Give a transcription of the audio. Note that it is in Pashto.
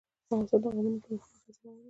افغانستان کې د قومونه د پرمختګ هڅې روانې دي.